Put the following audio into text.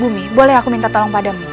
bumi boleh aku minta tolong padamu